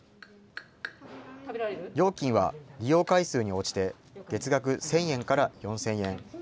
料金は利用回数に応じて月額１０００円から４０００円。